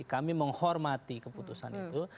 kami menghormati keputusan itu